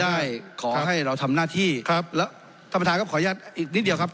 ได้ขอให้เราทำหน้าที่ครับแล้วท่านประธานครับขออนุญาตอีกนิดเดียวครับ